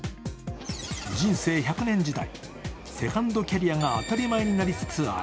人生１００年時代、セカンドキャリアが当たり前になりつつある。